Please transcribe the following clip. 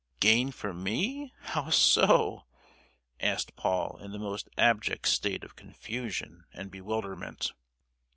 "Gain for me! How so?" asked Paul, in the most abject state of confusion and bewilderment.